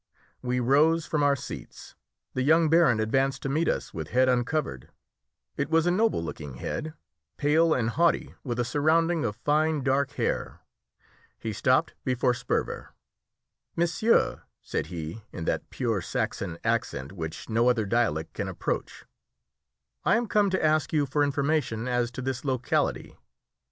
We rose from our seats. The young baron advanced to meet us with head uncovered. It was a noble looking head, pale and haughty, with a surrounding of fine dark hair. He stopped before Sperver. "Monsieur," said he in that pure Saxon accent which no other dialect can approach, "I am come to ask you for information as to this locality.